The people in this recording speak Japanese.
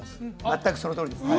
全くそのとおりです